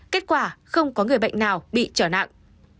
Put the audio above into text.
kết quả không có người bệnh nào bị trở nặng